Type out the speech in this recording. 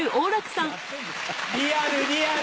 リアルリアル！